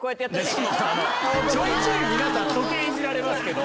ちょいちょい皆さん時計いじられますけど。